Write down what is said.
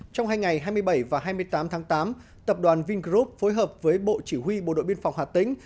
trong hai ngày hai mươi bảy và hai mươi tám tháng tám tập đoàn vingroup phối hợp với bộ chỉ huy bộ đội biên phòng hà tĩnh